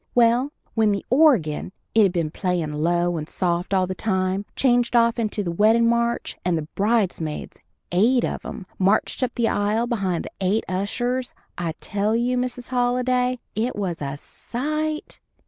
Well, when the organ it had been playin' low and soft all the time changed off into the weddin' march and the bridesmaids, eight of 'em, marched up the aisle behind the eight yushers, I tell you, Miss Halliday, it was a sight!